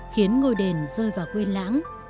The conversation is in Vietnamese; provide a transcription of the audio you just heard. khiến ngôi đền rơi vào quên lãng